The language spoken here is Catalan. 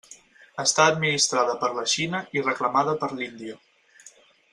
Està administrada per la Xina i reclamada per l'Índia.